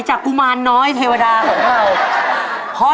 กุมารน้อยเทวดาของเรา